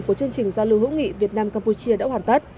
của chương trình giao lưu hữu nghị việt nam campuchia đã hoàn tất